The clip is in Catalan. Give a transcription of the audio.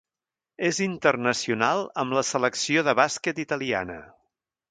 És internacional amb la selecció de bàsquet italiana.